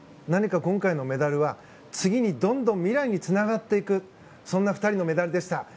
何か今回のメダルは、次にどんどん未来につながっていくそんな２人のメダルでした。